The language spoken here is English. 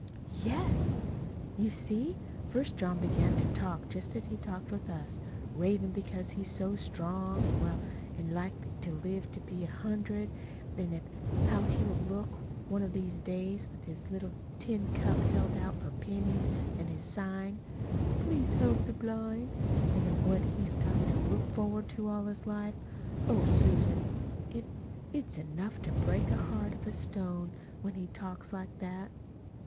"Yes. You see, first John began to talk just as he talks to us ravin' because he's so strong an' well, an' likely to live to be a hundred; an' of how he'll look, one of these days, with his little tin cup held out for pennies an' his sign, 'Please Help the Blind,' an' of what he's got to look forward to all his life. Oh, Susan, it it's enough to break the heart of a stone, when he talks like that."